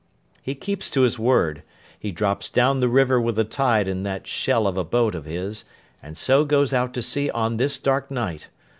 'He keeps to his word. He drops down the river with the tide in that shell of a boat of his, and so goes out to sea on this dark night!